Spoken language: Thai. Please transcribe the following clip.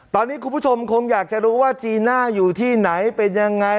ตอนนี้คุณผู้ชมคงอยากจะรู้ว่าจีน่าอยู่ที่ไหนเป็นยังไง